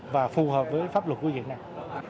và phù hợp với pháp luật của việt nam